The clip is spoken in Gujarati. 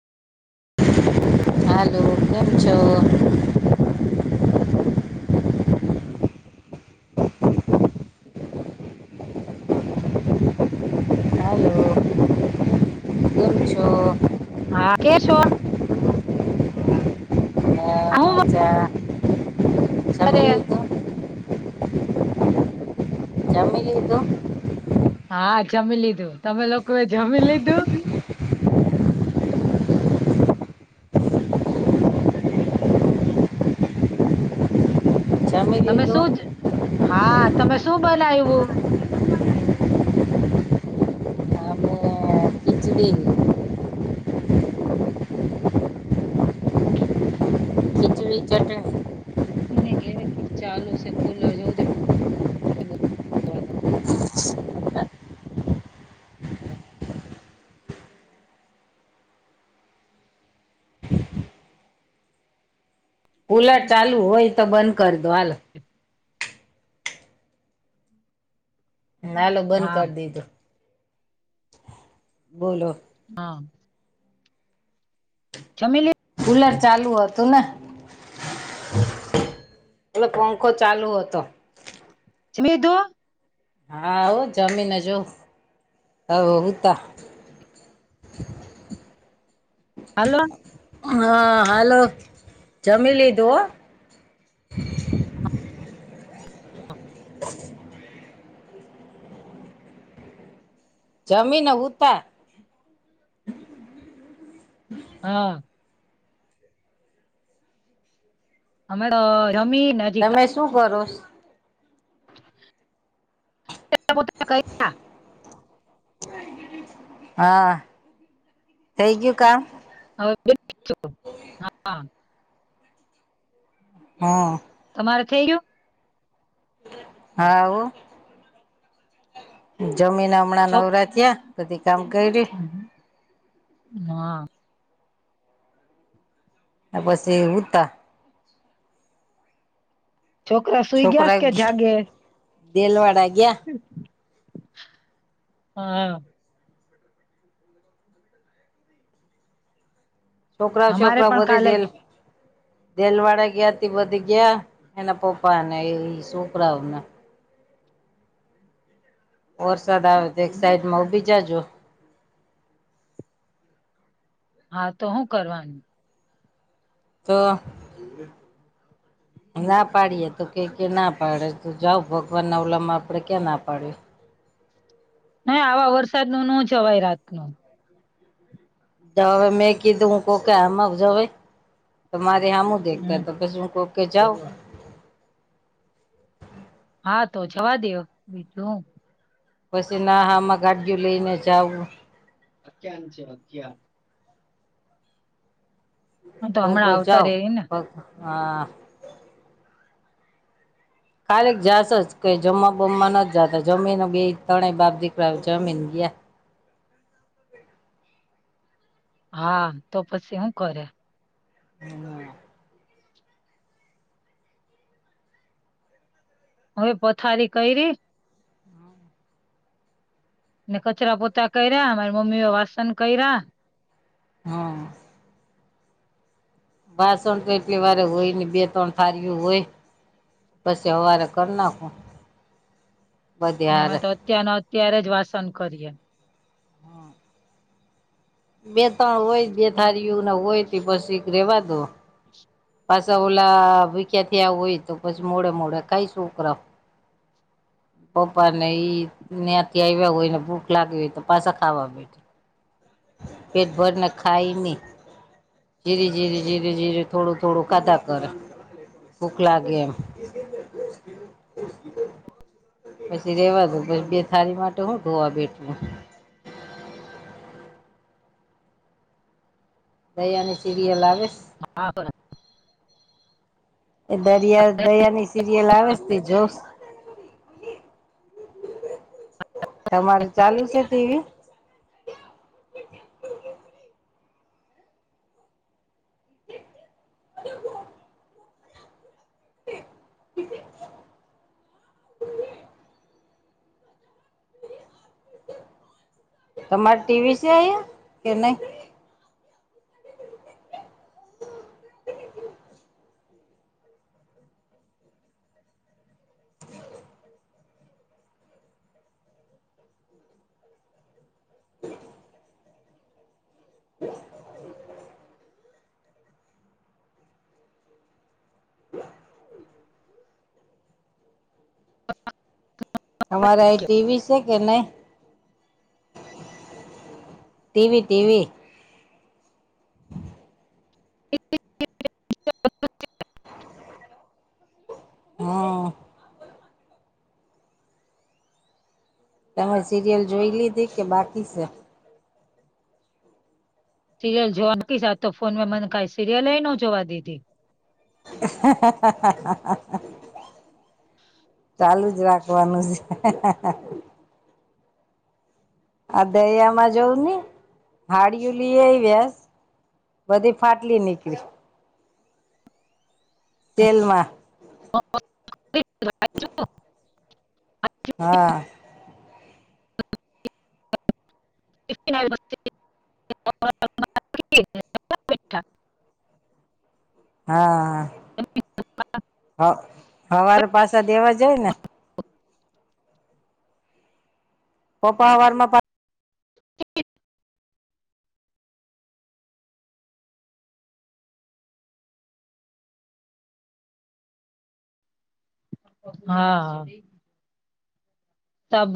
હાલો કેમ છો. હાલો. કેમ છો. હા કે છો. [unintelligible] સાચા. અરે. જમી લીધું. હા જમી લીધું તમે લોકોએ જમી લીધું. જમી તમે લીધું? શું જ હા તમે શું બનાયવું. અમે ખીચડી, વી ચટણી. એને ઘેરે કંઈક ચાલુ છે કૂલર જેવું જે બોવ અવાજ આવે. કુલર ચાલુ હોય તો બંધ કરી દો હાલ. હાલો બંધ હા કરી દીધું બોલો. હા. જમી લી. કૂલર ચાલુ હતું ને. એલે પંખો ચાલુ હતો. જમી લિઘુ હા ઓ જમીને જો હો હુંતા. [inaudible] હાલ હા હાલો જમીલધું હો. હ જમીને હુતા. હા અમે તો જમી નજી તમે શું કરોસ પો ક [inaudible] હા થઈ ગયું કામ. હવે હા [inaudible] હા તમારે થઈ ગું હા હો જમીન હમણાં છોક નવરા થયા બધી કામ કર્યું. હા આ પછી ઉતા છોકરા સુઈ ગયા છોકરા કે જાગે દેલવાડા ગયા હા છોકરા અમારે છોકરા પણ બધે કાલે દેલ દેલવાડાા ગયા બધી ગયા એના પપ્પાને એ છોકરાઓને. વરસાદ આવે એક સાઈડમાં ઉ બી જાજો હા તો હું કરવાનું. તો [inaudible] ના પાડીએ તો કે કે ના પાડે તો જાવ ભગવાન ના ઓલામમાં આપડે ક્યાં ના પાડએ. ના આવા વરસાદ નો જવાય રાત ન તો હવે મેં કીધું હું કોકે આમાજવે મારે આમુ‌ દેખતા હમ તો પછે હું કોકે જાઓ હા તો જવા દેવ બીજું હું પછી ના હામાં ગાડીઓ લઈને જાવું. અખ્યા છે અખ્યા [inaudible] હું તો ત હમણાં આવતા જાઓ રે ને હા ખાલી જાશો જ કે જમવા બમમાં ન જાતો જમીન બે ત્રણેય બાબ દીકરા જમીન ગયા હા તો પછી હું કરે. હમ હવે પથારી કેયરી ને કચરા પોતા કર્યા મારી મમ્મીઓ વાસન કર્યા. હા વાસણ તો એટલી વાર હોય ને બે ત્રણ થારીયો હોય. પછી અવારે કરી નાખું. બધી અમે હારે તો અત્યારનો અત્યારે જ વાસન કરીએ. બે ત્રણ હોય બે થારીય હોય બસ એક રેવા દો પાછા ઓલા ભૂખ્યા થયા હોય તો પછી મોડે મોડે કાઈશું ઉપરા પપ્પા ને ઈ ત્યાથી આવ્યા હોય ને ભૂખ લાગી હોય તો પાછા ખાવા બેઠી. પેટ ભરને ખાય ની. જીરી જીરી જીરી જીરી થોડું થોડું ખાધા કરે ભૂખ લાગે એમ [inaudible] પછી રેવા દો પછી બે થાળી માટે હુ ધોવા બેઠું દયાની સીરયલ આવેશ હા [unintelligible] એ દરિયા દયાની સિરિયલ આવે છે, તે જો તમારે ચાલુ છે, ટીવી? અ [inaudible] તમારે ટીવી છે, અયા કે નય? [inaudible] હ હ તમારે એ ટીવી છે, કે નહીં ટીવી ટીવી. [inaudible] હ. તમે સિરિયલ જોઈ લીધી કે બાકી છે? સિરિયલ જોવા નકીશ આતો ફોન મા મને કઈ સિરિયલય ન જોવા દીધી [inaudible] ચાલુ જ રાખવાનું છે. આ દયામાં જોવની હાડીયુ લીઆવયાસ બધી ફાટલી નીકરી તેલમાં. હ હા. [inaudible] હા હ હવારે પાસા દેવા જય ને પપ્પા હવારમાં પા હા. તબ